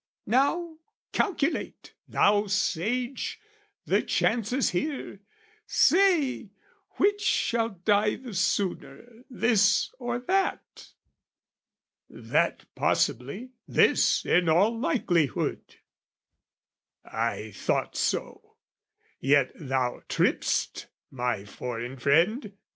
Now calculate, thou sage, the chances here, Say, which shall die the sooner, this or that? "That, possibly, this in all likelihood." I thought so: yet thou tripp'st, my foreign friend!